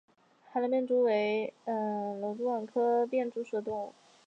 海南便蛛为缕网蛛科便蛛属的动物。